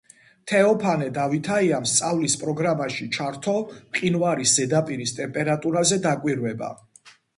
თეოფანე დავითაიამ სწავლის პროგრამაში ჩართო მყინვარის ზედაპირის ტემპერატურაზე დაკვირვება.